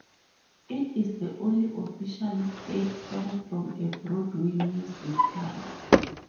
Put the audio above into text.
It is the only official state song from a Broadway musical.